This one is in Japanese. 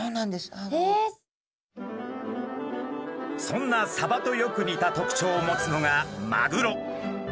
そんなサバとよく似た特徴を持つのがマグロ。